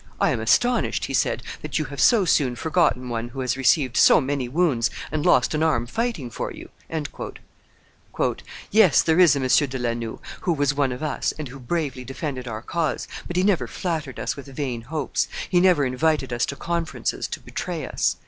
"I am astonished," he said, "that you have so soon forgotten one who has received so many wounds and lost an arm fighting for you." "Yes, there is a M. de La Noue, who was one of us, and who bravely defended our cause; but he never flattered us with vain hopes, he never invited us to conferences to betray us."